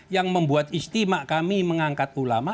yang membuat istimewa kami mengangkat ulama